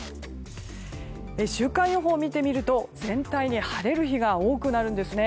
週間予報を見てみると全体に晴れる日が多くなるんですね。